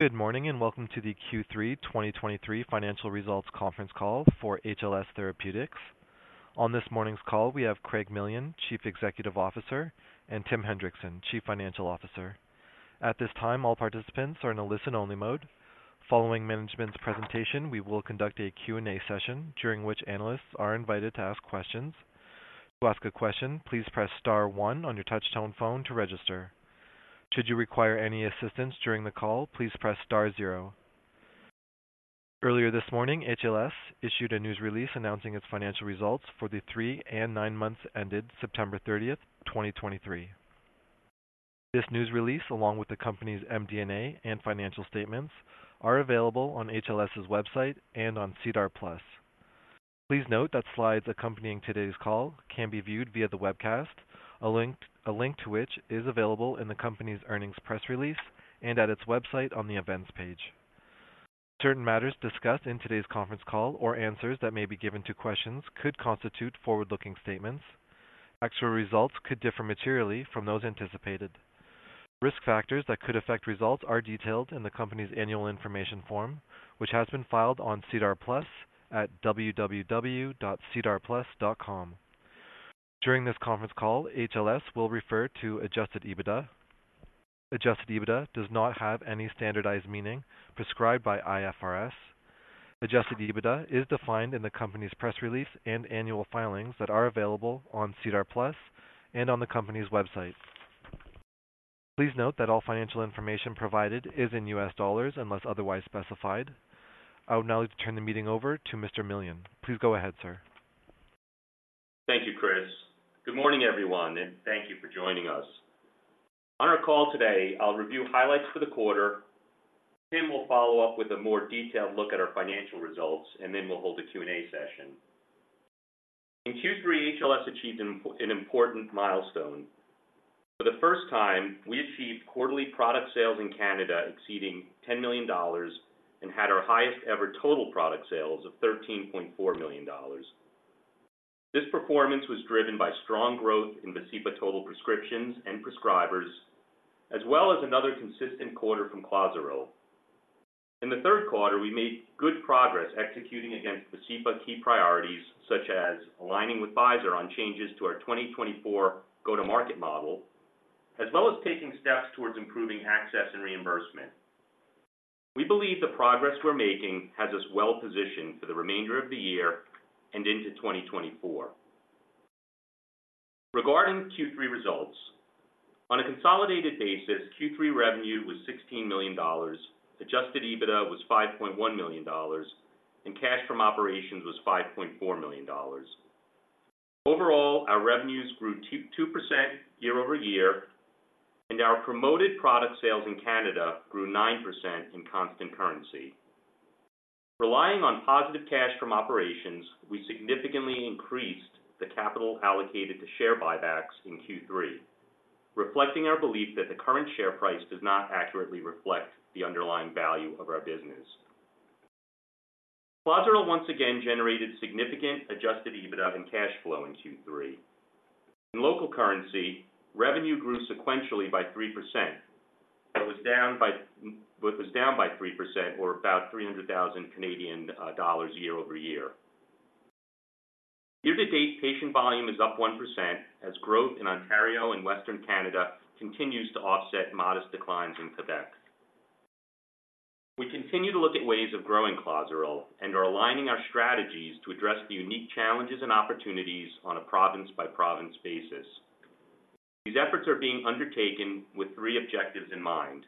Good morning, and welcome to the Q3 2023 financial results conference call for HLS Therapeutics. On this morning's call, we have Craig Millian, Chief Executive Officer, and Tim Hendrickson, Chief Financial Officer. At this time, all participants are in a listen-only mode. Following management's presentation, we will conduct a Q&A session during which analysts are invited to ask questions. To ask a question, please press star one on your touchtone phone to register. Should you require any assistance during the call, please press star zero. Earlier this morning, HLS issued a news release announcing its financial results for the three and nine months ended September 30th, 2023. This news release, along with the company's MD&A and financial statements, are available on HLS's website and on SEDAR+. Please note that slides accompanying today's call can be viewed via the webcast, a link, a link to which is available in the company's earnings press release and at its website on the Events page. Certain matters discussed in today's conference call or answers that may be given to questions could constitute forward-looking statements. Actual results could differ materially from those anticipated. Risk factors that could affect results are detailed in the company's Annual Information Form, which has been filed on SEDAR+ at www.sedarplus.com. During this conference call, HLS will refer to Adjusted EBITDA. Adjusted EBITDA does not have any standardized meaning prescribed by IFRS. Adjusted EBITDA is defined in the company's press release and annual filings that are available on SEDAR+ and on the company's website. Please note that all financial information provided is in US dollars, unless otherwise specified. I would now like to turn the meeting over to Mr. Millian. Please go ahead, sir. Thank you, Chris. Good morning, everyone, and thank you for joining us. On our call today, I'll review highlights for the quarter. Tim will follow up with a more detailed look at our financial results, and then we'll hold a Q&A session. In Q3, HLS achieved an important milestone. For the first time, we achieved quarterly product sales in Canada exceeding $10 million and had our highest-ever total product sales of $13.4 million. This performance was driven by strong growth in VASCEPA total prescriptions and prescribers, as well as another consistent quarter from CLOZARIL. In the third quarter, we made good progress executing against VASCEPA key priorities, such as aligning with Pfizer on changes to our 2024 go-to-market model, as well as taking steps towards improving access and reimbursement. We believe the progress we're making has us well positioned for the remainder of the year and into 2024. Regarding Q3 results, on a consolidated basis, Q3 revenue was $16 million, Adjusted EBITDA was $5.1 million, and cash from operations was $5.4 million. Overall, our revenues grew 2% year-over-year, and our promoted product sales in Canada grew 9% in constant currency. Relying on positive cash from operations, we significantly increased the capital allocated to share buybacks in Q3, reflecting our belief that the current share price does not accurately reflect the underlying value of our business. CLOZARIL once again generated significant Adjusted EBITDA and cash flow in Q3. In local currency, revenue grew sequentially by 3%, but was down by 3% or about CAD 300,000 year-over-year. Year-to-date, patient volume is up 1%, as growth in Ontario and Western Canada continues to offset modest declines in Quebec. We continue to look at ways of growing CLOZARIL and are aligning our strategies to address the unique challenges and opportunities on a province-by-province basis. These efforts are being undertaken with three objectives in mind.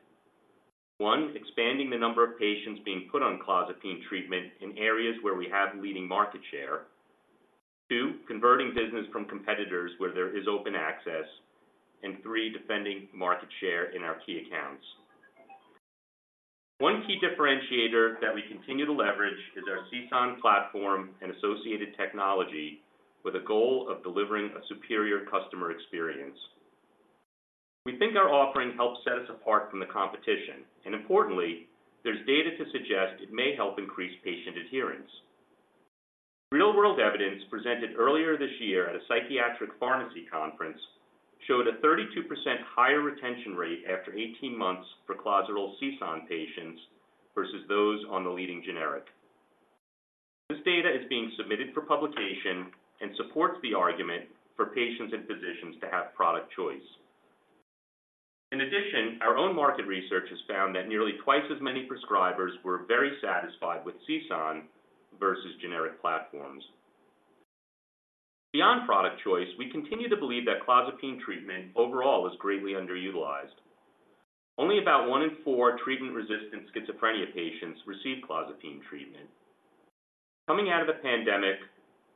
One, expanding the number of patients being put on clozapine treatment in areas where we have leading market share. Two, converting business from competitors where there is open access. And three, defending market share in our key accounts. One key differentiator that we continue to leverage is our CSAN platform and associated technology with the goal of delivering a superior customer experience. We think our offering helps set us apart from the competition, and importantly, there's data to suggest it may help increase patient adherence. Real-world evidence presented earlier this year at a psychiatric pharmacy conference showed a 32% higher retention rate after 18 months for CLOZARIL CSAN patients versus those on the leading generic. This data is being submitted for publication and supports the argument for patients and physicians to have product choice. In addition, our own market research has found that nearly twice as many prescribers were very satisfied with CSAN versus generic platforms. Beyond product choice, we continue to believe that clozapine treatment overall is greatly underutilized. Only about one in four treatment-resistant schizophrenia patients receive clozapine treatment. Coming out of the pandemic,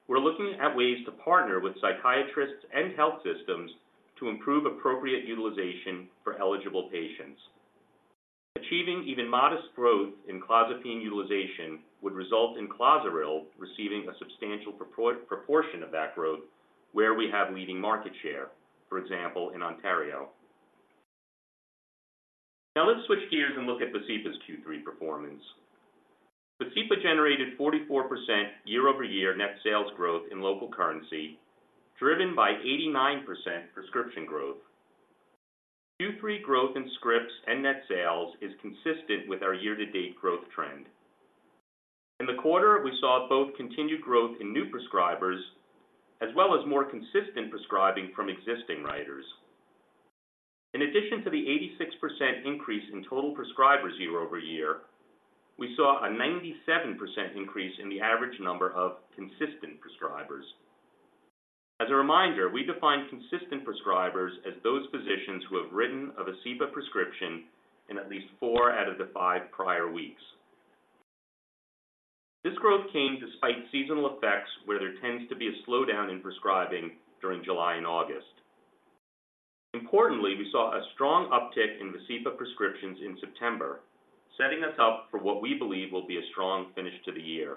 we're looking at ways to partner with psychiatrists and health systems to improve appropriate utilization for eligible patients. Achieving even modest growth in clozapine utilization would result in CLOZARIL receiving a substantial proportion of that growth where we have leading market share, for example, in Ontario. Now let's switch gears and look at VASCEPA's Q3 performance. VASCEPA generated 44% year-over-year net sales growth in local currency, driven by 89% prescription growth. Q3 growth in scripts and net sales is consistent with our year-to-date growth trend. In the quarter, we saw both continued growth in new prescribers, as well as more consistent prescribing from existing writers. In addition to the 86% increase in total prescribers year-over-year, we saw a 97% increase in the average number of consistent prescribers. As a reminder, we define consistent prescribers as those physicians who have written a VASCEPA prescription in at least four out of the five prior weeks. This growth came despite seasonal effects, where there tends to be a slowdown in prescribing during July and August. Importantly, we saw a strong uptick in VASCEPA prescriptions in September, setting us up for what we believe will be a strong finish to the year.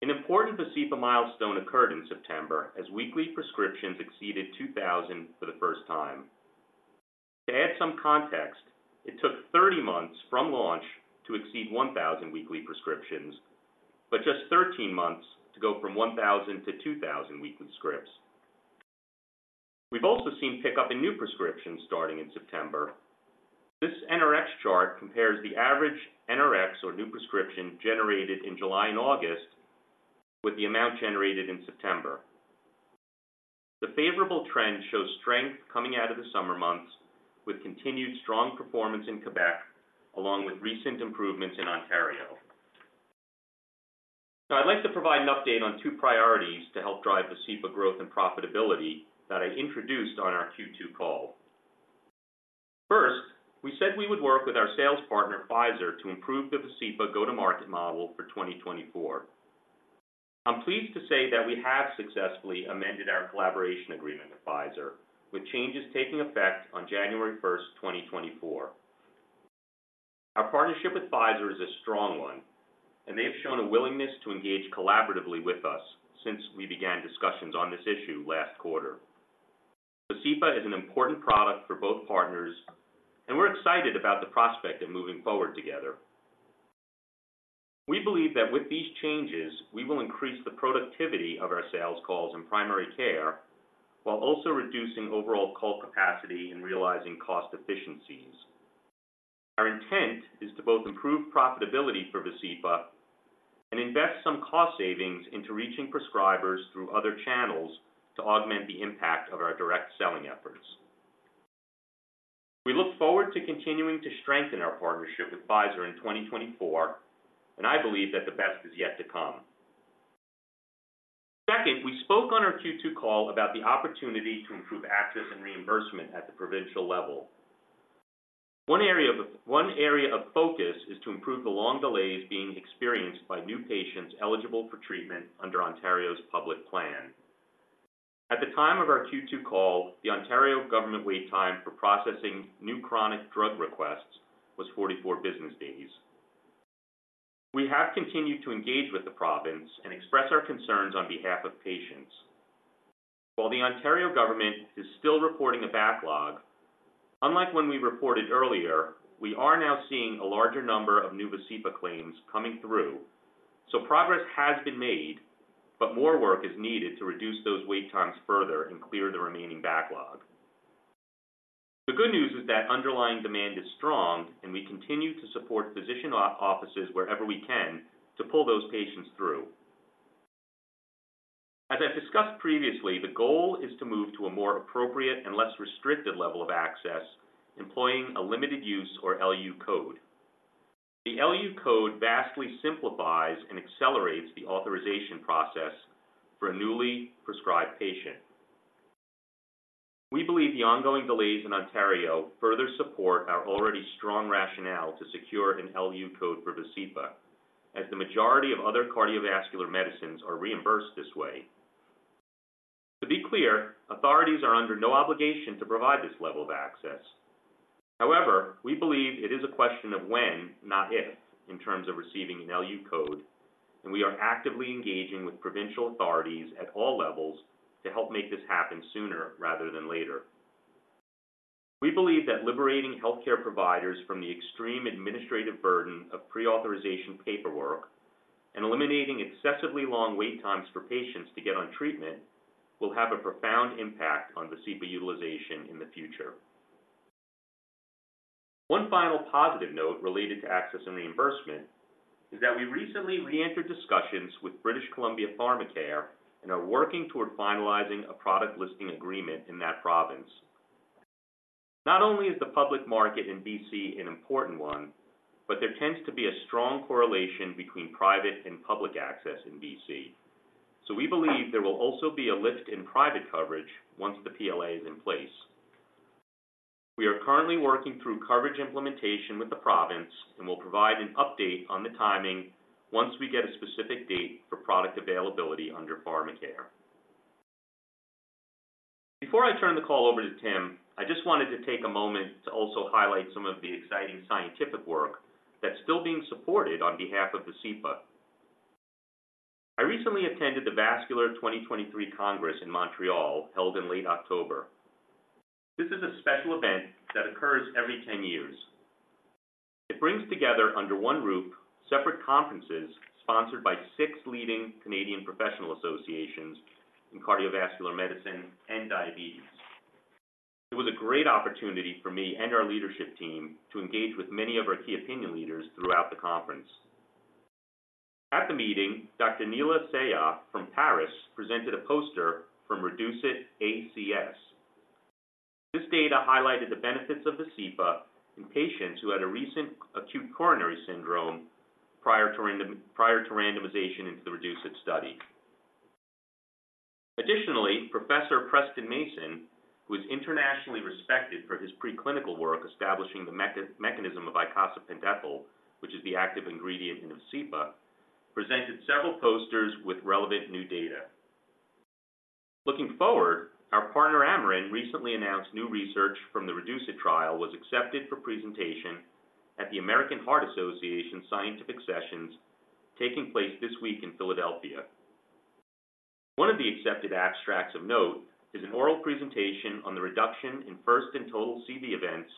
An important VASCEPA milestone occurred in September, as weekly prescriptions exceeded 2,000 for the first time. To add some context, it took 30 months from launch to exceed 1,000 weekly prescriptions, but just 13 months to go from 1,000 to 2,000 weekly scripts. We've also seen pick up in new prescriptions starting in September. This NRx chart compares the average NRx or new prescription generated in July and August with the amount generated in September. The favorable trend shows strength coming out of the summer months, with continued strong performance in Quebec, along with recent improvements in Ontario. Now, I'd like to provide an update on two priorities to help drive VASCEPA growth and profitability that I introduced on our Q2 call. First, we said we would work with our sales partner, Pfizer, to improve the VASCEPA go-to-market model for 2024. I'm pleased to say that we have successfully amended our collaboration agreement with Pfizer, with changes taking effect on January 1st, 2024. Our partnership with Pfizer is a strong one, and they have shown a willingness to engage collaboratively with us since we began discussions on this issue last quarter. VASCEPA is an important product for both partners, and we're excited about the prospect of moving forward together. We believe that with these changes, we will increase the productivity of our sales calls in primary care, while also reducing overall call capacity and realizing cost efficiencies. Our intent is to both improve profitability for VASCEPA and invest some cost savings into reaching prescribers through other channels to augment the impact of our direct selling efforts. We look forward to continuing to strengthen our partnership with Pfizer in 2024, and I believe that the best is yet to come. Second, we spoke on our Q2 call about the opportunity to improve access and reimbursement at the provincial level. One area of focus is to improve the long delays being experienced by new patients eligible for treatment under Ontario's public plan. At the time of our Q2 call, the Ontario government wait time for processing new chronic drug requests was 44 business days. We have continued to engage with the province and express our concerns on behalf of patients. While the Ontario government is still reporting a backlog, unlike when we reported earlier, we are now seeing a larger number of new VASCEPA claims coming through. Progress has been made, but more work is needed to reduce those wait times further and clear the remaining backlog. The good news is that underlying demand is strong, and we continue to support physician offices wherever we can to pull those patients through. As I've discussed previously, the goal is to move to a more appropriate and less restricted level of access, employing a limited use or LU code. The LU code vastly simplifies and accelerates the authorization process for a newly prescribed patient. We believe the ongoing delays in Ontario further support our already strong rationale to secure an LU code for VASCEPA, as the majority of other cardiovascular medicines are reimbursed this way. To be clear, authorities are under no obligation to provide this level of access. However, we believe it is a question of when, not if, in terms of receiving an LU code, and we are actively engaging with provincial authorities at all levels to help make this happen sooner rather than later. We believe that liberating healthcare providers from the extreme administrative burden of pre-authorization paperwork and eliminating excessively long wait times for patients to get on treatment will have a profound impact on VASCEPA utilization in the future. One final positive note related to access and reimbursement is that we recently reentered discussions with British Columbia Pharmacare and are working toward finalizing a product listing agreement in that province. Not only is the public market in BC an important one, but there tends to be a strong correlation between private and public access in BC. So we believe there will also be a lift in private coverage once the PLA is in place. We are currently working through coverage implementation with the province and will provide an update on the timing once we get a specific date for product availability under Pharmacare. Before I turn the call over to Tim, I just wanted to take a moment to also highlight some of the exciting scientific work that's still being supported on behalf of VASCEPA.... I recently attended the Vascular 2023 Congress in Montreal, held in late October. This is a special event that occurs every 10 years. It brings together, under one roof, separate conferences sponsored by six leading Canadian professional associations in cardiovascular medicine and diabetes. It was a great opportunity for me and our leadership team to engage with many of our key opinion leaders throughout the conference. At the meeting, Dr. Neila Sayah from Paris presented a poster from REDUCE-IT ACS. This data highlighted the benefits of VASCEPA in patients who had a recent acute coronary syndrome prior to random, prior to randomization into the REDUCE-IT study. Additionally, Professor Preston Mason, who is internationally respected for his preclinical work establishing the mechanism of icosapent ethyl, which is the active ingredient in VASCEPA, presented several posters with relevant new data. Looking forward, our partner, Amarin, recently announced new research from the REDUCE-IT trial, was accepted for presentation at the American Heart Association Scientific Sessions, taking place this week in Philadelphia. One of the accepted abstracts of note is an oral presentation on the reduction in first and total CV events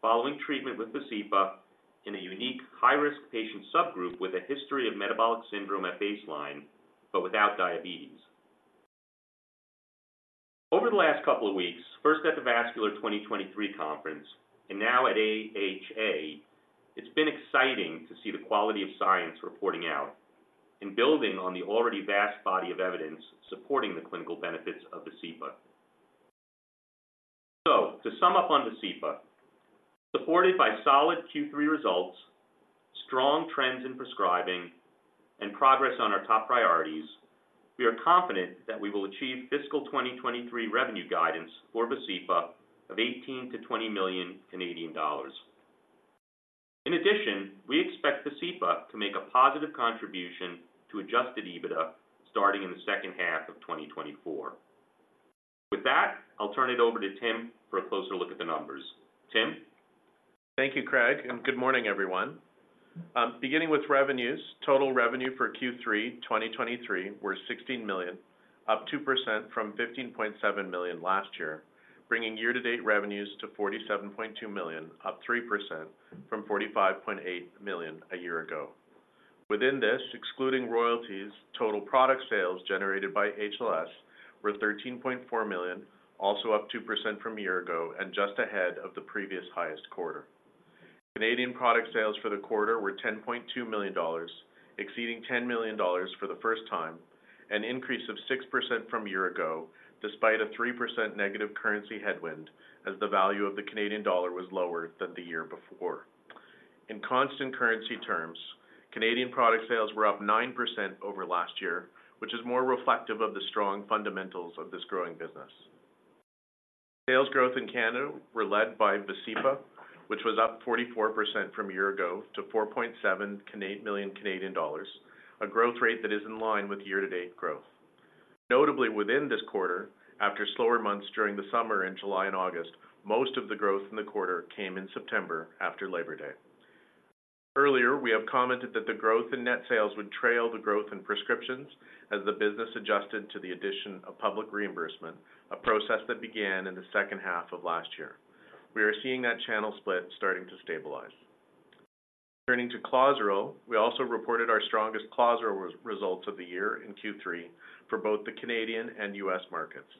following treatment with VASCEPA in a unique high-risk patient subgroup with a history of metabolic syndrome at baseline, but without diabetes. Over the last couple of weeks, first at the Vascular 2023 conference and now at AHA, it's been exciting to see the quality of science reporting out and building on the already vast body of evidence supporting the clinical benefits of VASCEPA. So to sum up on VASCEPA, supported by solid Q3 results, strong trends in prescribing, and progress on our top priorities, we are confident that we will achieve fiscal 2023 revenue guidance for VASCEPA of 18 million-20 million Canadian dollars. In addition, we expect VASCEPA to make a positive contribution to Adjusted EBITDA starting in the second half of 2024. With that, I'll turn it over to Tim for a closer look at the numbers. Tim? Thank you, Craig, and good morning, everyone. Beginning with revenues, total revenue for Q3 2023 were $16 million, up 2% from $15.7 million last year, bringing year-to-date revenues to $47.2 million, up 3% from $45.8 million a year ago. Within this, excluding royalties, total product sales generated by HLS were $13.4 million, also up 2% from a year ago and just ahead of the previous highest quarter. Canadian product sales for the quarter were 10.2 million dollars, exceeding 10 million dollars for the first time, an increase of 6% from a year ago, despite a 3% negative currency headwind, as the value of the Canadian dollar was lower than the year before. In constant currency terms, Canadian product sales were up 9% over last year, which is more reflective of the strong fundamentals of this growing business. Sales growth in Canada were led by VASCEPA, which was up 44% from a year ago to 4.7 million Canadian dollars, a growth rate that is in line with year-to-date growth. Notably, within this quarter, after slower months during the summer in July and August, most of the growth in the quarter came in September after Labor Day. Earlier, we have commented that the growth in net sales would trail the growth in prescriptions as the business adjusted to the addition of public reimbursement, a process that began in the second half of last year. We are seeing that channel split starting to stabilize. Turning to CLOZARIL, we also reported our strongest CLOZARIL results of the year in Q3 for both the Canadian and US markets.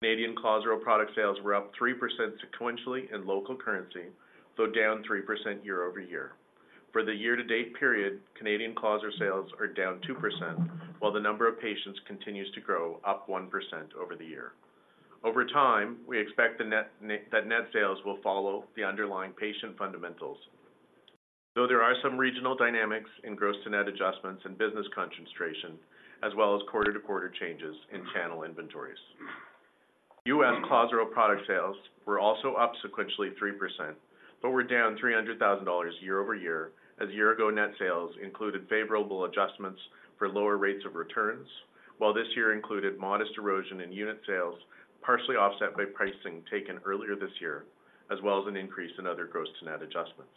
Canadian CLOZARIL product sales were up 3% sequentially in local currency, though down 3% year-over-year. For the year-to-date period, Canadian CLOZARIL sales are down 2%, while the number of patients continues to grow, up 1% over the year. Over time, we expect that net sales will follow the underlying patient fundamentals, though there are some regional dynamics in gross to net adjustments and business concentration, as well as quarter-to-quarter changes in channel inventories. U.S. CLOZARIL product sales were also up sequentially 3%, but were down $300,000 year-over-year, as year-ago net sales included favorable adjustments for lower rates of returns, while this year included modest erosion in unit sales, partially offset by pricing taken earlier this year, as well as an increase in other gross to net adjustments.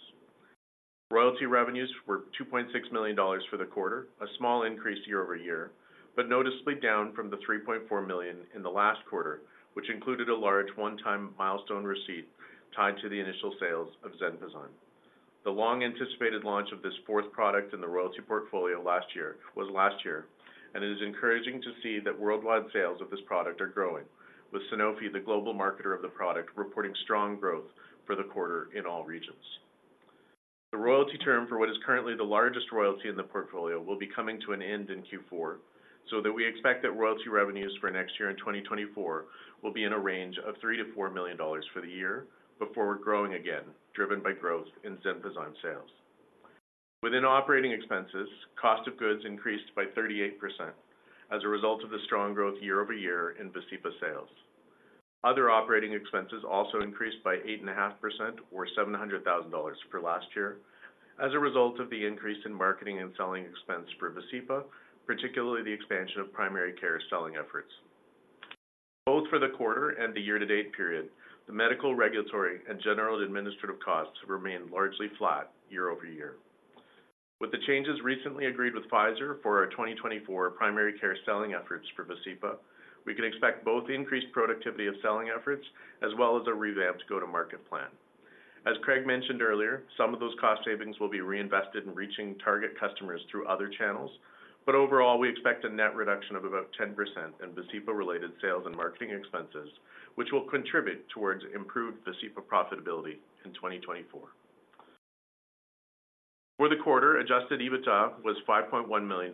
Royalty revenues were $2.6 million for the quarter, a small increase year-over-year, but noticeably down from the $3.4 million in the last quarter, which included a large one-time milestone receipt tied to the initial sales of ZENPEP. The long-anticipated launch of this fourth product in the royalty portfolio last year, was last year, and it is encouraging to see that worldwide sales of this product are growing, with Sanofi, the global marketer of the product, reporting strong growth for the quarter in all regions. The royalty term for what is currently the largest royalty in the portfolio will be coming to an end in Q4, so that we expect that royalty revenues for next year in 2024 will be in a range of $3 million-$4 million for the year before we're growing again, driven by growth in ZENPEP sales. Within operating expenses, cost of goods increased by 38% as a result of the strong growth year-over-year in VASCEPA sales. Other operating expenses also increased by 8.5%, or $700,000 for last year, as a result of the increase in marketing and selling expense for VASCEPA, particularly the expansion of primary care selling efforts.... Both for the quarter and the year-to-date period, the medical, regulatory, and general administrative costs have remained largely flat year-over-year. With the changes recently agreed with Pfizer for our 2024 primary care selling efforts for VASCEPA, we can expect both increased productivity of selling efforts as well as a revamped go-to-market plan. As Craig mentioned earlier, some of those cost savings will be reinvested in reaching target customers through other channels, but overall, we expect a net reduction of about 10% in VASCEPA-related sales and marketing expenses, which will contribute towards improved VASCEPA profitability in 2024. For the quarter, Adjusted EBITDA was $5.1 million.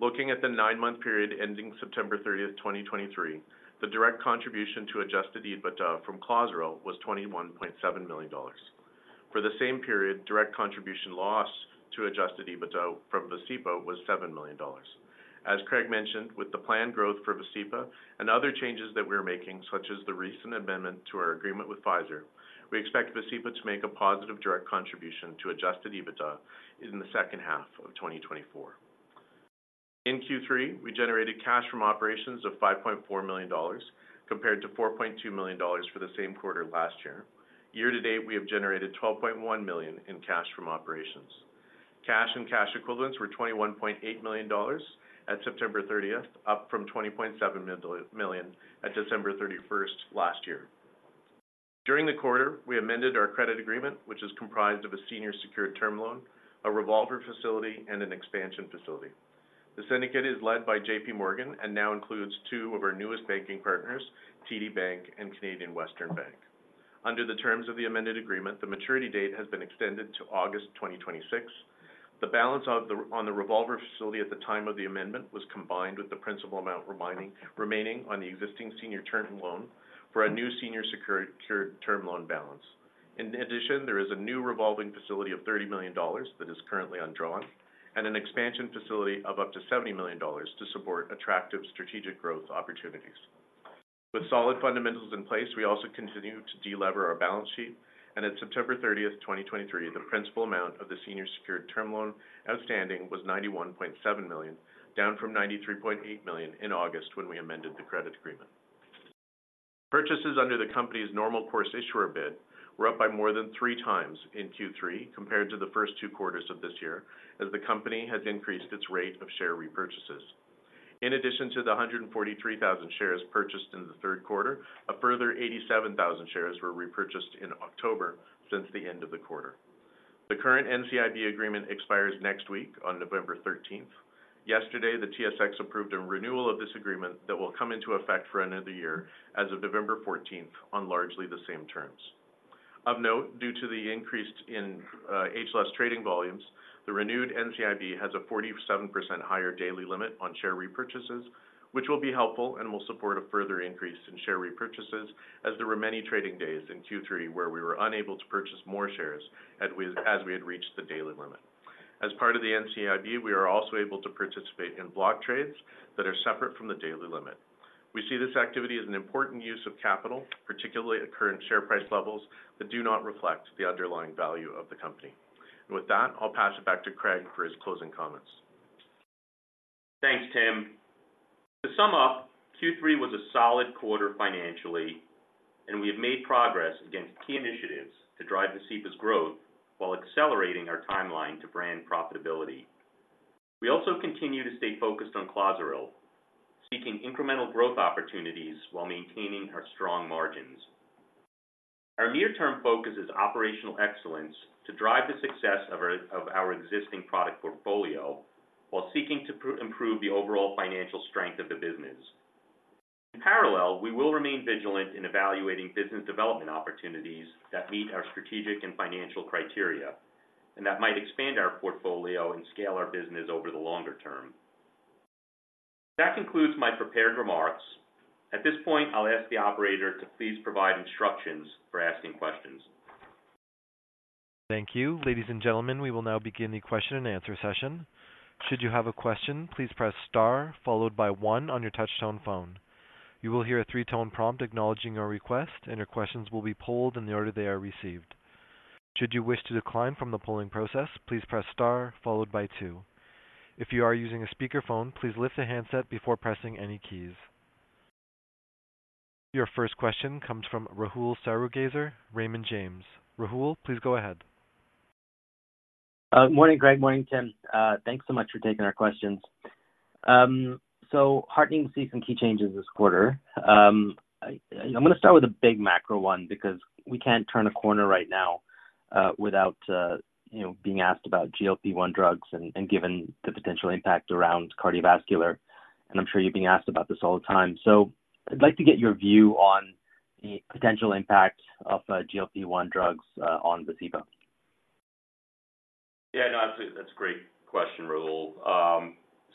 Looking at the nine-month period ending September 30th, 2023, the direct contribution to Adjusted EBITDA from CLOZARIL was $21.7 million. For the same period, direct contribution loss to Adjusted EBITDA from VASCEPA was $7 million. As Craig mentioned, with the planned growth for VASCEPA and other changes that we're making, such as the recent amendment to our agreement with Pfizer, we expect VASCEPA to make a positive direct contribution to Adjusted EBITDA in the second half of 2024. In Q3, we generated cash from operations of $5.4 million, compared to $4.2 million for the same quarter last year. Year-to-date, we have generated $12.1 million in cash from operations. Cash and cash equivalents were $21.8 million at September 30th, up from $20.7 million at December 31st last year. During the quarter, we amended our credit agreement, which is comprised of a senior secured term loan, a revolver facility, and an expansion facility. The syndicate is led by J.P. Morgan and now includes two of our newest banking partners, TD Bank and Canadian Western Bank. Under the terms of the amended agreement, the maturity date has been extended to August 2026. The balance of the revolver facility at the time of the amendment was combined with the principal amount remaining on the existing senior term loan for a new senior secured term loan balance. In addition, there is a new revolving facility of $30 million that is currently undrawn and an expansion facility of up to $70 million to support attractive strategic growth opportunities. With solid fundamentals in place, we also continue to delever our balance sheet, and at September 30th, 2023, the principal amount of the senior secured term loan outstanding was $91.7 million, down from $93.8 million in August, when we amended the credit agreement. Purchases under the company's normal course issuer bid were up by more than 3x in Q3 compared to the first two quarters of this year, as the company has increased its rate of share repurchases. In addition to the 143,000 shares purchased in the third quarter, a further 87,000 shares were repurchased in October since the end of the quarter. The current NCIB agreement expires next week on November 13th. Yesterday, the TSX approved a renewal of this agreement that will come into effect for another year as of November 14th on largely the same terms. Of note, due to the increase in HLS trading volumes, the renewed NCIB has a 47% higher daily limit on share repurchases, which will be helpful and will support a further increase in share repurchases, as there were many trading days in Q3 where we were unable to purchase more shares as we had reached the daily limit. As part of the NCIB, we are also able to participate in block trades that are separate from the daily limit. We see this activity as an important use of capital, particularly at current share price levels, that do not reflect the underlying value of the company. And with that, I'll pass it back to Craig for his closing comments. Thanks, Tim. To sum up, Q3 was a solid quarter financially, and we have made progress against key initiatives to drive VASCEPA's growth while accelerating our timeline to brand profitability. We also continue to stay focused on CLOZARIL, seeking incremental growth opportunities while maintaining our strong margins. Our near-term focus is operational excellence to drive the success of our existing product portfolio while seeking to improve the overall financial strength of the business. In parallel, we will remain vigilant in evaluating business development opportunities that meet our strategic and financial criteria and that might expand our portfolio and scale our business over the longer term. That concludes my prepared remarks. At this point, I'll ask the operator to please provide instructions for asking questions. Thank you. Ladies and gentlemen, we will now begin the question-and-answer session. Should you have a question, please press star, followed by one on your touchtone phone. You will hear a three-tone prompt acknowledging your request, and your questions will be polled in the order they are received. Should you wish to decline from the polling process, please press star followed by two. If you are using a speakerphone, please lift the handset before pressing any keys. Your first question comes from Rahul Sarugaser, Raymond James. Rahul, please go ahead. Morning, Craig. Morning, Tim. Thanks so much for taking our questions. So heartening to see some key changes this quarter. I'm going to start with a big macro one because we can't turn a corner right now without you know being asked about GLP-1 drugs and given the potential impact around cardiovascular. And I'm sure you're being asked about this all the time. So I'd like to get your view on the potential impact of GLP-1 drugs on VASCEPA. Yeah, no, absolutely. That's a great question, Rahul.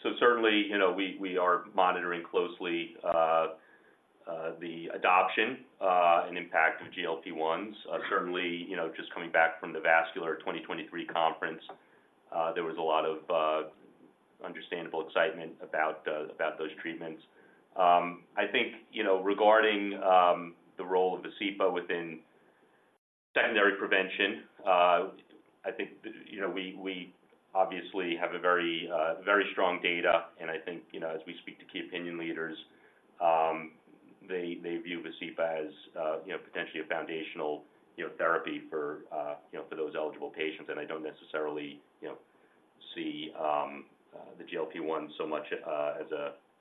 So certainly, you know, we, we are monitoring closely the adoption and impact of GLP-1s. Certainly, you know, just coming back from the Vascular 2023 conference, there was a lot of understandable excitement about those treatments. I think, you know, regarding the role of VASCEPA within secondary prevention, I think, you know, we, we obviously have a very, very strong data. And I think, you know, as we speak to key opinion leaders, they, they view VASCEPA as, you know, potentially a foundational, you know, therapy for, you know, for those eligible patients. And I don't necessarily, you know, see the GLP-1 so much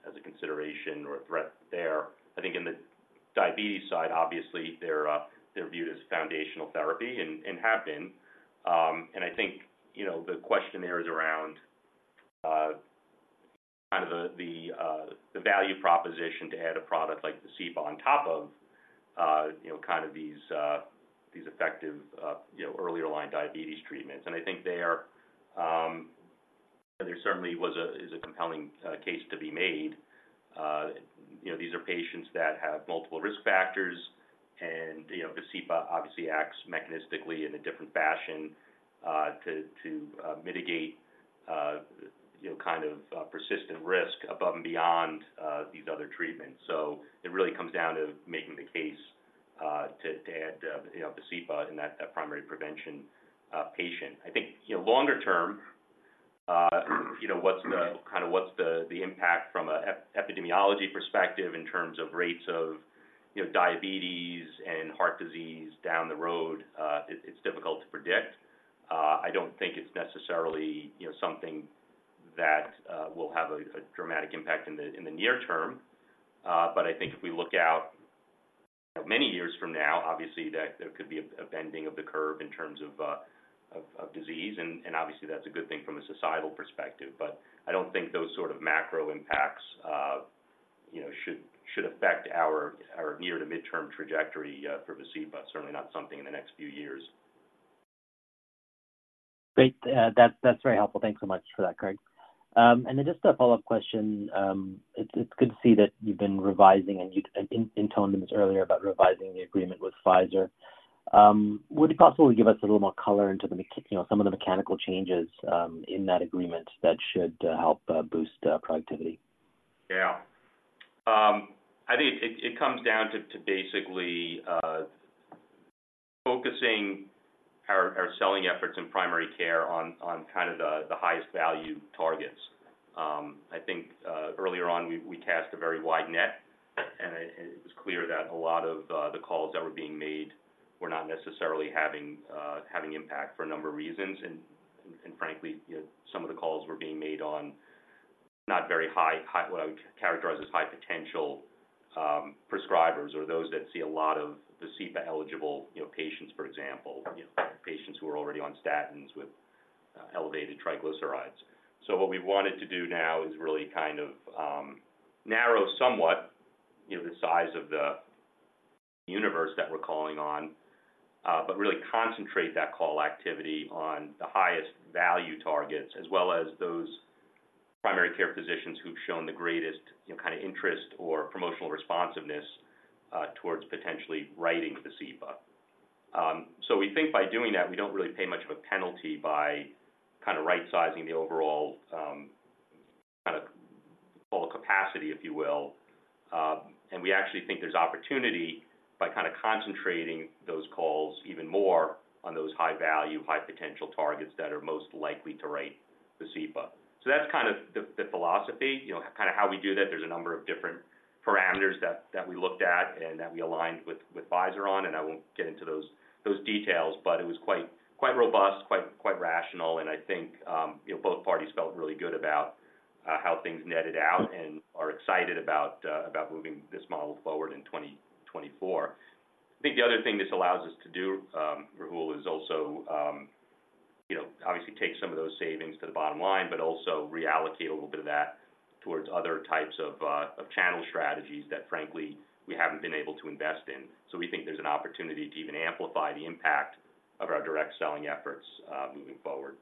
as a consideration or a threat there. I think in the diabetes side, obviously, they're viewed as foundational therapy and have been. And I think, you know, the question there is around kind of the value proposition to add a product like VASCEPA on top of, you know, kind of these effective, you know, earlier line diabetes treatments. And I think they are, there certainly was a, is a compelling case to be made. You know, these are patients that have multiple risk factors and, you know, VASCEPA obviously acts mechanistically in a different fashion to mitigate, you know, kind of persistent risk above and beyond these other treatments. So it really comes down to making the case to add, you know, VASCEPA in that primary prevention patient. I think, you know, longer term, you know, what's the impact from an epidemiology perspective in terms of rates of, you know, diabetes and heart disease down the road? It's difficult to predict. I don't think it's necessarily, you know, something that will have a dramatic impact in the near term. But I think if we look out many years from now, obviously, there could be a bending of the curve in terms of disease. And obviously, that's a good thing from a societal perspective. But I don't think those sort of macro impacts, you know, should affect our near to midterm trajectory for VASCEPA, certainly not something in the next few years. Great. That's, that's very helpful. Thanks so much for that, Craig. And then just a follow-up question. It's, it's good to see that you've been revising... and mentioning this earlier about revising the agreement with Pfizer. Would you possibly give us a little more color into the, you know, some of the mechanical changes, in that agreement that should, help, boost, productivity? Yeah. I think it comes down to basically focusing our selling efforts in primary care on kind of the highest value targets. I think earlier on, we cast a very wide net, and it was clear that a lot of the calls that were being made were not necessarily having impact for a number of reasons. And frankly, you know, some of the calls were being made on not very high, what I would characterize as high potential prescribers or those that see a lot of VASCEPA-eligible, you know, patients, for example, you know, patients who are already on statins with elevated triglycerides. So what we wanted to do now is really kind of narrow somewhat, you know, the size of the universe that we're calling on, but really concentrate that call activity on the highest value targets, as well as those primary care physicians who've shown the greatest, you know, kind of interest or promotional responsiveness, towards potentially writing VASCEPA. So we think by doing that, we don't really pay much of a penalty by kind of right-sizing the overall, kind of call capacity, if you will. And we actually think there's opportunity by kind of concentrating those calls even more on those high-value, high-potential targets that are most likely to write VASCEPA. So that's kind of the philosophy, you know, kind of how we do that. There's a number of different parameters that we looked at and that we aligned with Pfizer on, and I won't get into those details, but it was quite robust, quite rational. And I think, you know, both parties felt really good about moving this model forward in 2024. I think the other thing this allows us to do, Rahul, is also, you know, obviously take some of those savings to the bottom line, but also reallocate a little bit of that towards other types of channel strategies that, frankly, we haven't been able to invest in. So we think there's an opportunity to even amplify the impact of our direct selling efforts, moving forward.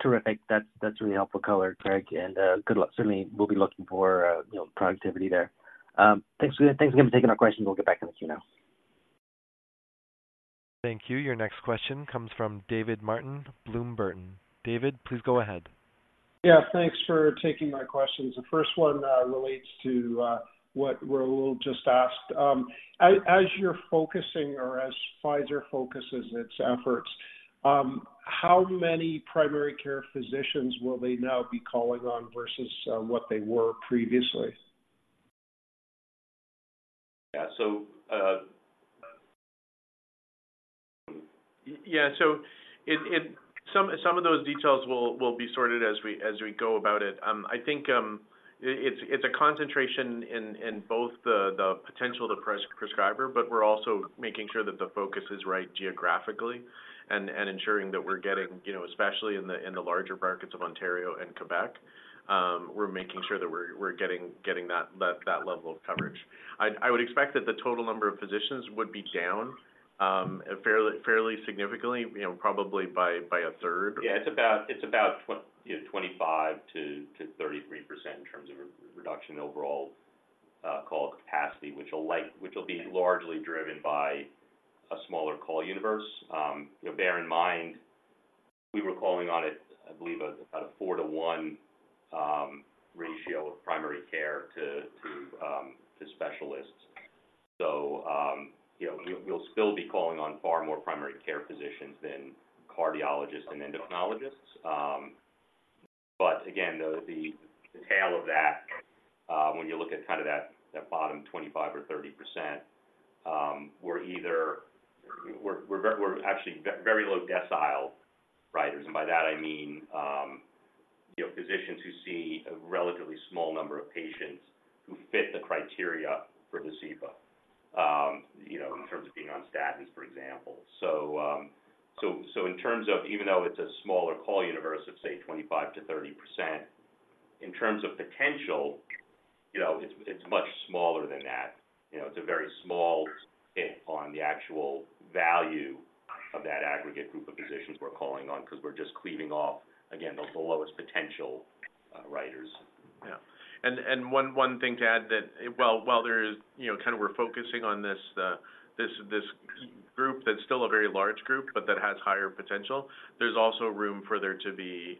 Terrific. That's really helpful color, Craig, and good luck. Certainly, we'll be looking for, you know, productivity there. Thanks again, thanks again for taking our questions. We'll get back in the queue now. Thank you. Your next question comes from David Martin, Bloom Burton. David, please go ahead. Yeah, thanks for taking my questions. The first one relates to what Rahul just asked. As you're focusing or as Pfizer focuses its efforts, how many primary care physicians will they now be calling on versus what they were previously? Yeah. So, some of those details will be sorted as we go about it. I think it's a concentration in both the potential prescriber, but we're also making sure that the focus is right geographically and ensuring that we're getting, you know, especially in the larger markets of Ontario and Quebec, we're making sure that we're getting that level of coverage. I would expect that the total number of physicians would be down fairly significantly, you know, probably by 1/3. Yeah, it's about, you know, 25%-33% in terms of reduction in overall call capacity, which will be largely driven by a smaller call universe. You know, bear in mind-... We were calling on it, I believe, about a 4-to-1 ratio of primary care to specialists. So, you know, we'll still be calling on far more primary care physicians than cardiologists and endocrinologists. But again, the tail of that, when you look at kind of that bottom 25% or 30%, we're actually very low decile writers, and by that I mean, you know, physicians who see a relatively small number of patients who fit the criteria for VASCEPA. You know, in terms of being on statins, for example. So, in terms of even though it's a smaller call universe of, say, 25%-30%, in terms of potential, you know, it's much smaller than that. You know, it's a very small hit on the actual value of that aggregate group of physicians we're calling on, 'cause we're just cleaving off, again, the lowest potential writers. Yeah. One thing to add that while there is, you know, kind of we're focusing on this group that's still a very large group, but that has higher potential. There's also room for there to be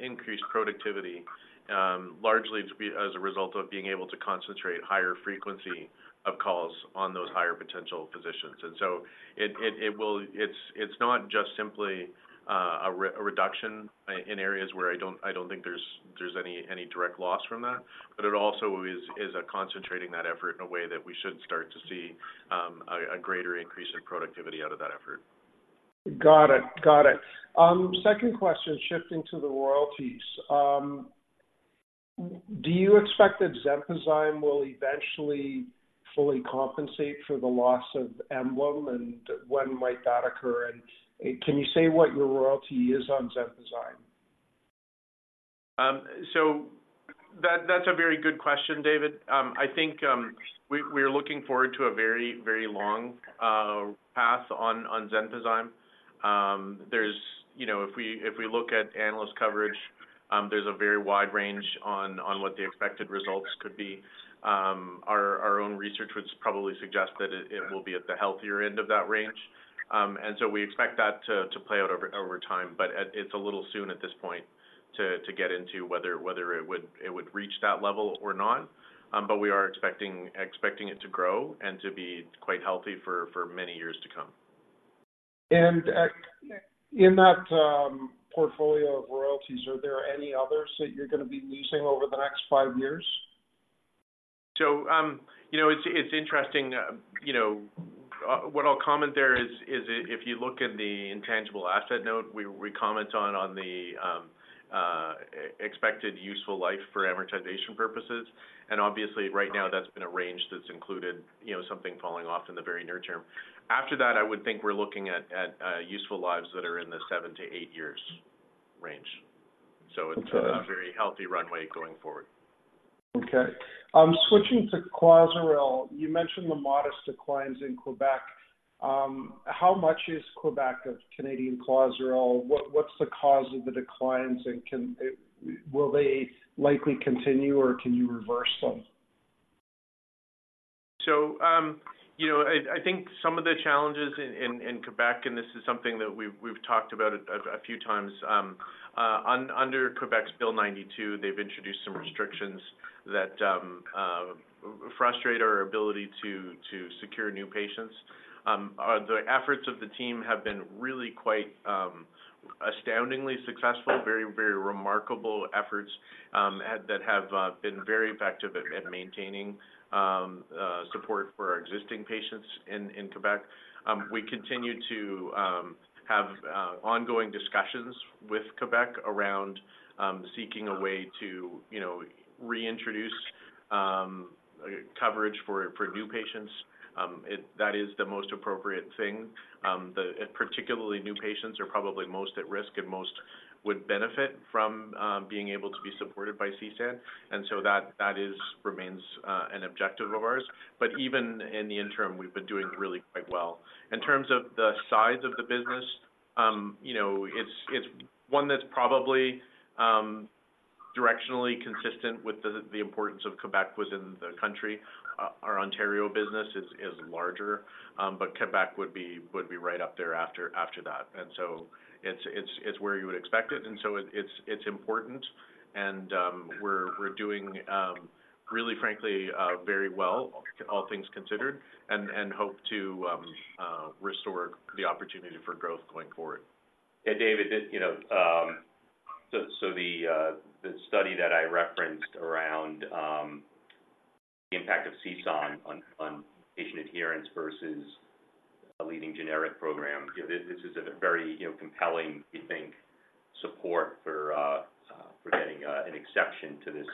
increased productivity, largely to be as a result of being able to concentrate higher frequency of calls on those higher potential physicians. And so it will... It's not just simply a reduction in areas where I don't think there's any direct loss from that, but it also is a concentrating that effort in a way that we should start to see a greater increase in productivity out of that effort. Got it. Got it. Second question, shifting to the royalties. Do you expect that ZENPEP will eventually fully compensate for the loss of Emblem, and when might that occur? And can you say what your royalty is on ZENPEP? So that's a very good question, David. I think we, we're looking forward to a very, very long path on ZENPEP. You know, if we, if we look at analyst coverage, there's a very wide range on what the expected results could be. Our own research would probably suggest that it, it will be at the healthier end of that range. And so we expect that to play out over time, but it's a little soon at this point to get into whether it would reach that level or not. But we are expecting it to grow and to be quite healthy for many years to come. And, in that portfolio of royalties, are there any others that you're going to be leasing over the next five years? So, you know, it's interesting. You know, what I'll comment there is if you look in the intangible asset note, we comment on the expected useful life for amortization purposes. And obviously, right now, that's been a range that's included, you know, something falling off in the very near term. After that, I would think we're looking at useful lives that are in the seven-eight years range. So it's a very healthy runway going forward. Okay. Switching to CLOZARIL. How much is Quebec of Canadian CLOZARIL? What's the cause of the declines, and can it-will they likely continue, or can you reverse them? So, you know, I think some of the challenges in Quebec, and this is something that we've talked about a few times. Under Quebec's Bill 92, they've introduced some restrictions that frustrate our ability to secure new patients. The efforts of the team have been really quite astoundingly successful. Very, very remarkable efforts that have been very effective at maintaining support for our existing patients in Quebec. We continue to have ongoing discussions with Quebec around seeking a way to, you know, reintroduce coverage for new patients. That is the most appropriate thing. The particularly new patients are probably most at risk and most would benefit from being able to be supported by CSAN, and so that remains an objective of ours. But even in the interim, we've been doing really quite well. In terms of the size of the business, you know, it's one that's probably directionally consistent with the importance of Quebec within the country. Our Ontario business is larger, but Quebec would be right up there after that. And so it's where you would expect it, and so it's important. And we're doing really, frankly, very well, all things considered, and hope to restore the opportunity for growth going forward. Yeah, David, this, you know, the study that I referenced around the impact of CSAN on patient adherence versus a leading generic program, you know, this is a very, you know, compelling, we think, support for getting an exception to this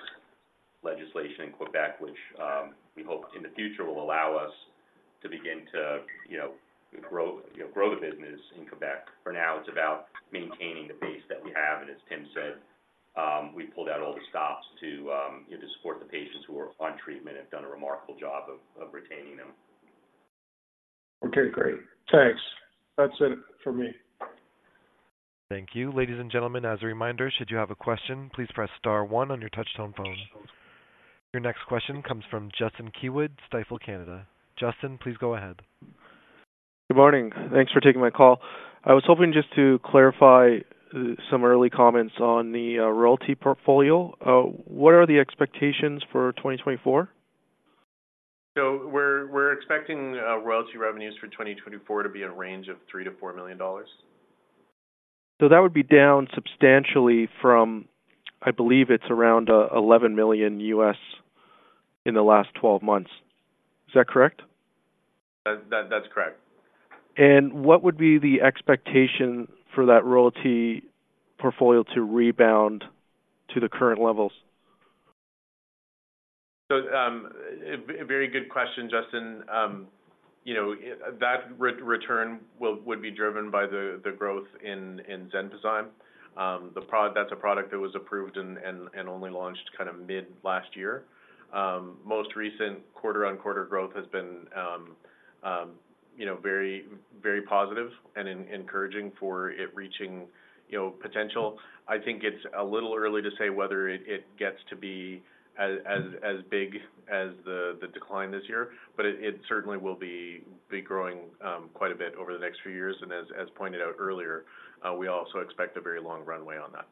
legislation in Quebec, which we hope in the future will allow us to begin to, you know, grow the business in Quebec. For now, it's about maintaining the base that we have, and as Tim said, we pulled out all the stops to, you know, support the patients who are on treatment and have done a remarkable job of retaining them. Okay, great. Thanks. That's it for me. Thank you. Ladies and gentlemen, as a reminder, should you have a question, please press star one on your touchtone phone. Your next question comes from Justin Keywood, Stifel Canada. Justin, please go ahead. Good morning. Thanks for taking my call. I was hoping just to clarify some early comments on the royalty portfolio. What are the expectations for 2024? We're expecting royalty revenues for 2024 to be a range of $3 million-$4 million. So that would be down substantially from, I believe it's around, $11 million in the last 12 months. Is that correct? That, that's correct. What would be the expectation for that royalty portfolio to rebound to the current levels? So, a very good question, Justin. You know, that return will, would be driven by the growth in ZENPEP. The product, that's a product that was approved and only launched kind of mid last year. Most recent quarter-on-quarter growth has been, you know, very positive and encouraging for it reaching, you know, potential. I think it's a little early to say whether it gets to be as big as the decline this year, but it certainly will be growing quite a bit over the next few years. And as pointed out earlier, we also expect a very long runway on that.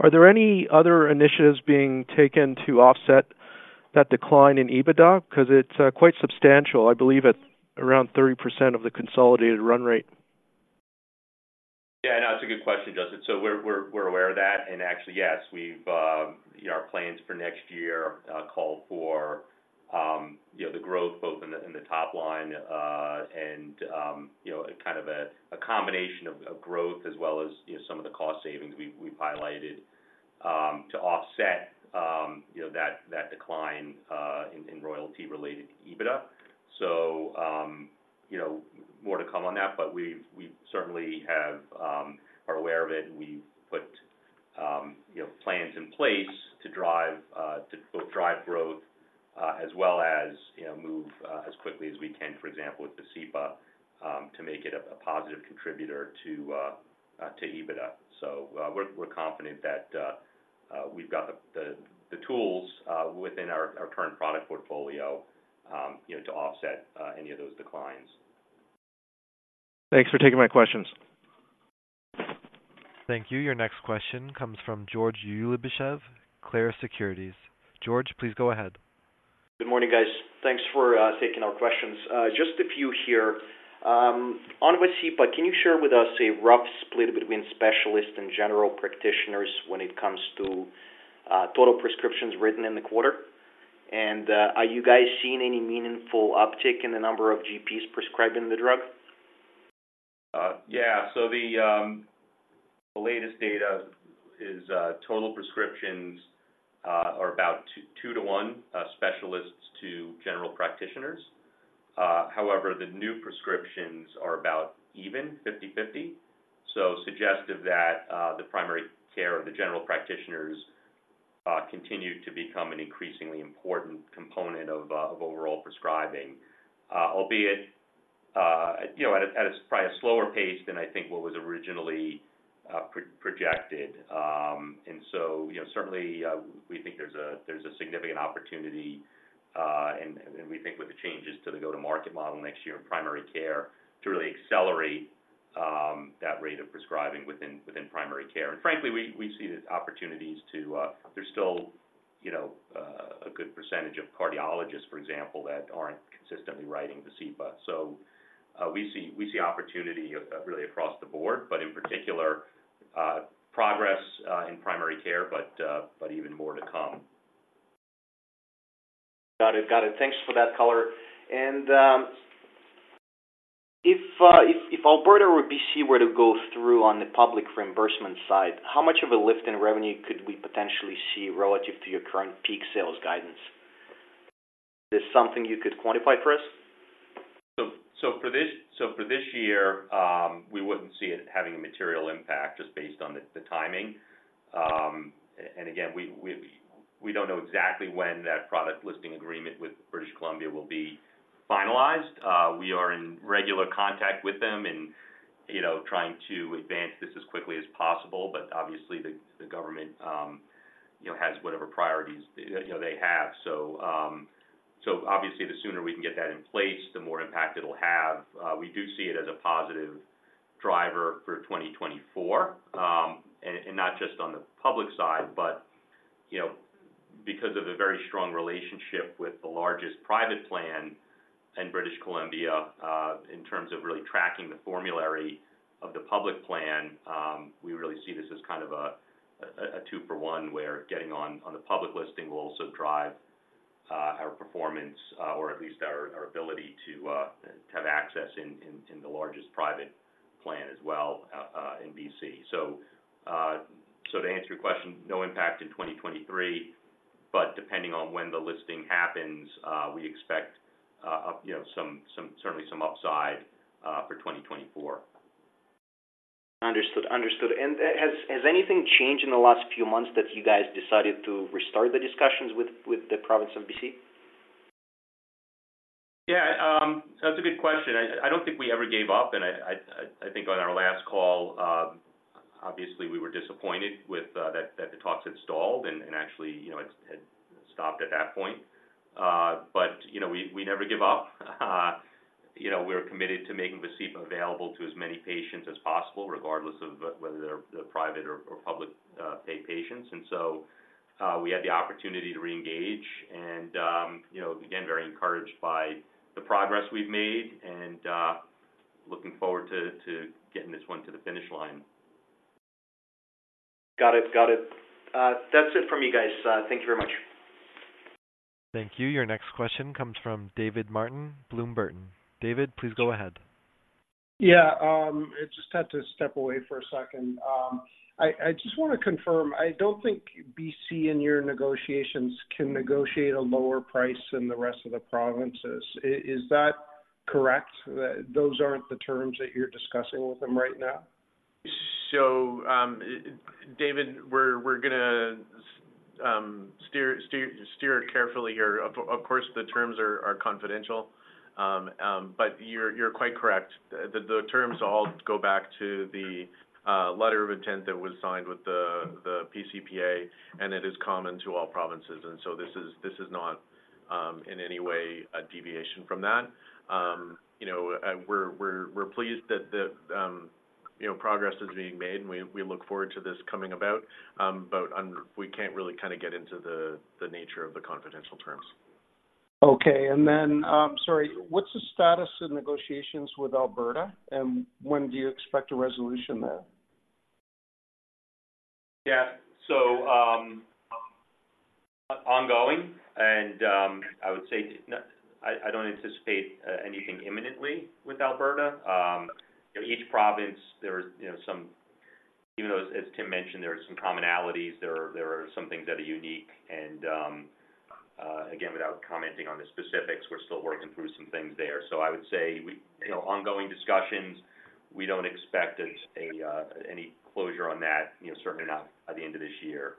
Are there any other initiatives being taken to offset that decline in EBITDA? Because it's, quite substantial, I believe, at around 30% of the consolidated run rate. Yeah, I know. It's a good question, Justin. So we're aware of that. And actually, yes, we've, you know, our plans for next year call for, you know, the growth both in the, in the top line, and, you know, kind of a combination of growth as well as, you know, some of the cost savings we've highlighted to offset, you know, that decline in royalty related to EBITDA. So, you know, more to come on that, but we certainly are aware of it, and we've put, you know, plans in place to drive both growth as well as, you know, move as quickly as we can, for example, with VASCEPA, to make it a positive contributor to EBITDA. We're confident that we've got the tools within our current product portfolio, you know, to offset any of those declines. Thanks for taking my questions. Thank you. Your next question comes from George Ulybyshev, Clarus Securities. George, please go ahead. Good morning, guys. Thanks for taking our questions. Just a few here. On VASCEPA, can you share with us a rough split between specialists and general practitioners when it comes to total prescriptions written in the quarter? And are you guys seeing any meaningful uptick in the number of GPs prescribing the drug? Yeah. So the latest data is total prescriptions are about 2-to-1 specialists to general practitioners. However, the new prescriptions are about even, 50/50, so suggestive that the primary care of the general practitioners continue to become an increasingly important component of overall prescribing, albeit, you know, at a probably a slower pace than I think what was originally projected. And so, you know, certainly we think there's a significant opportunity, and we think with the changes to the go-to-market model next year in primary care, to really accelerate that rate of prescribing within primary care. And frankly, we see the opportunities to; there's still, you know, a good percentage of cardiologists, for example, that aren't consistently writing VASCEPA. So, we see, we see opportunity really across the board, but in particular, progress in primary care, but, but even more to come. Got it. Got it. Thanks for that color. And, if Alberta or BC were to go through on the public reimbursement side, how much of a lift in revenue could we potentially see relative to your current peak sales guidance? Is this something you could quantify for us? So for this year, we wouldn't see it having a material impact just based on the timing. And again, we don't know exactly when that product listing agreement with British Columbia will be finalized. We are in regular contact with them and, you know, trying to advance this as quickly as possible, but obviously the government, you know, has whatever priorities, you know, they have. So obviously, the sooner we can get that in place, the more impact it'll have. We do see it as a positive driver for 2024, and not just on the public side, but, you know, because of a very strong relationship with the largest private plan in British Columbia, in terms of really tracking the formulary of the public plan, we really see this as kind of a two-for-one, where getting on the public listing will also drive our performance, or at least our ability to have access in the largest private plan as well, in BC. So, to answer your question, no impact in 2023, but depending on when the listing happens, we expect, you know, some certainly some upside for 2024. Understood. Understood. Has anything changed in the last few months that you guys decided to restart the discussions with the province of BC?... Yeah, so that's a good question. I don't think we ever gave up, and I think on our last call, obviously we were disappointed with that the talks had stalled and actually, you know, had stopped at that point. But, you know, we never give up. You know, we're committed to making VASCEPA available to as many patients as possible, regardless of whether they're private or public paid patients. And so, we had the opportunity to reengage and, you know, again, very encouraged by the progress we've made and looking forward to getting this one to the finish line. Got it. Got it. That's it from me, guys. Thank you very much. Thank you. Your next question comes from David Martin, Bloom Burton. David, please go ahead. Yeah, I just had to step away for a second. I just want to confirm, I don't think BC and your negotiations can negotiate a lower price than the rest of the provinces. Is that correct, that those aren't the terms that you're discussing with them right now? So, David, we're gonna steer carefully here. Of course, the terms are confidential, but you're quite correct. The terms all go back to the letter of intent that was signed with the PCPA, and it is common to all provinces, and so this is not in any way a deviation from that. You know, we're pleased that you know, progress is being made, and we look forward to this coming about. But we can't really kind of get into the nature of the confidential terms. Okay, and then, sorry, what's the status of negotiations with Alberta, and when do you expect a resolution there? Yeah. So, ongoing and, I would say, I don't anticipate anything imminently with Alberta. Each province there is, you know, some... Even though, as Tim mentioned, there are some commonalities, there are some things that are unique and, again, without commenting on the specifics, we're still working through some things there. So I would say we, you know, ongoing discussions, we don't expect a any closure on that, you know, certainly not by the end of this year.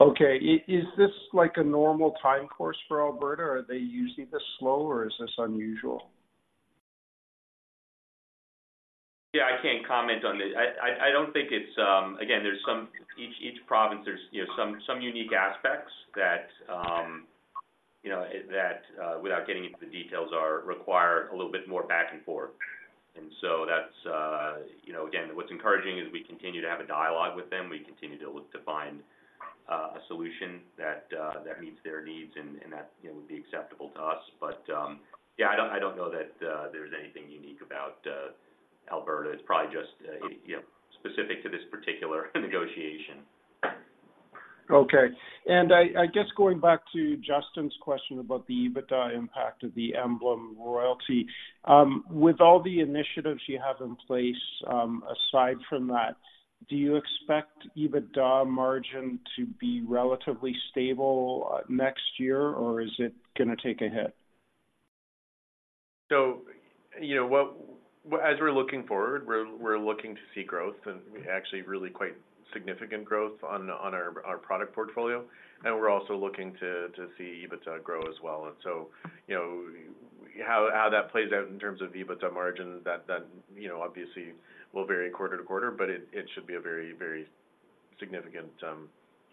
Okay. Is this like a normal time course for Alberta? Are they usually this slow, or is this unusual? Yeah, I can't comment on this. I don't think it's, again, there's some in each province, you know, some unique aspects that, you know, that, without getting into the details, are required a little bit more back and forth. And so that's, you know, again, what's encouraging is we continue to have a dialogue with them. We continue to look to find a solution that that meets their needs and that, you know, would be acceptable to us. But, yeah, I don't know that there's anything unique about Alberta. It's probably just, you know, specific to this particular negotiation. Okay. And going back to Justin's question about the EBITDA impact of the Emblem royalty. With all the initiatives you have in place, aside from that, do you expect EBITDA margin to be relatively stable next year, or is it going to take a hit? So, you know what, as we're looking forward, we're looking to see growth and actually really quite significant growth on our product portfolio. And we're also looking to see EBITDA grow as well. And so, you know, how that plays out in terms of EBITDA margin, that you know, obviously will vary quarter-to-quarter, but it should be a very significant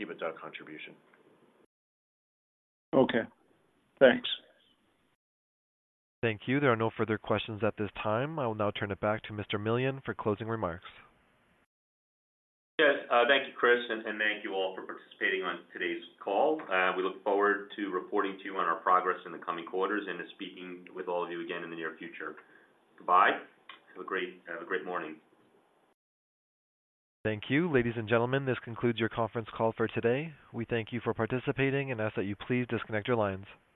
EBITDA contribution. Okay. Thanks. Thank you. There are no further questions at this time. I will now turn it back to Mr. Millian for closing remarks. Yes, thank you, Chris, and thank you all for participating on today's call. We look forward to reporting to you on our progress in the coming quarters and to speaking with all of you again in the near future. Goodbye, have a great morning. Thank you. Ladies and gentlemen, this concludes your conference call for today. We thank you for participating and ask that you please disconnect your lines.